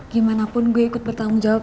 gimanapun gue ikut bertanggung jawab